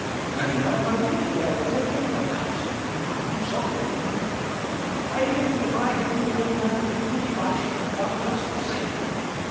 "Very well, my dear. There is an end of that, and I'm sorry for him. I think that if I had been a young man at The Cleeve, I should have done just the same.